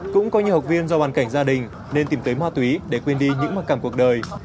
cũng có nhiều học viên do hoàn cảnh gia đình nên tìm tới ma túy để quên đi những mặc cảm cuộc đời